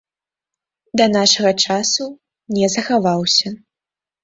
Да нашага часу не захаваўся.